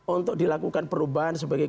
untuk dilakukan perubahan sebagai